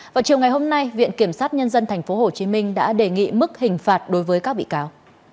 vào chiều ngày hôm nay viện kiểm sát nhân dân tp hcm đã đề nghị mức hình phạt đối với các bị cáo